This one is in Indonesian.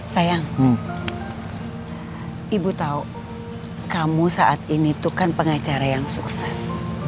sayang ibu tahu kamu saat ini tuh kan pengacara yang sukses